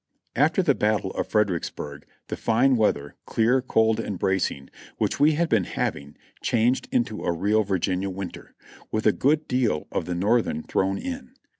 After the Battle of Fredericksburg the fine weather, clear, cold and bracing, which we had been having, changed into a real Virginia winter, with a good deal of the Northern thrown in.